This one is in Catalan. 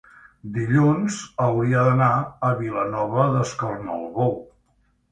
dilluns hauria d'anar a Vilanova d'Escornalbou.